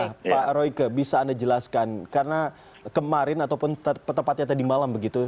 nah pak royke bisa anda jelaskan karena kemarin ataupun tepatnya tadi malam begitu